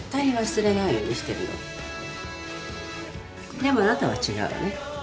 でもあなたは違うわね。